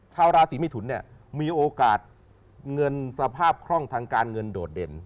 ชาวราศีมิถุนเนี่ยมีโอกาสเงินสภาพคล่องทางการเงินโดดเด่น